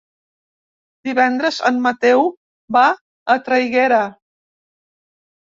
Divendres en Mateu va a Traiguera.